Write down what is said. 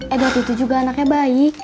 edward itu juga anaknya bayi